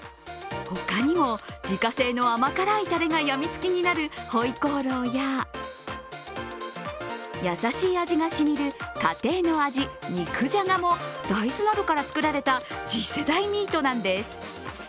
他にも自家製の甘辛いタレがやみつきになるホイコーローや優しい味がしみる家庭の味、肉じゃがも大豆などから作られた次世代ミートなんです。